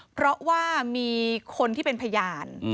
เพราะว่ามีคนที่เป็นพยาน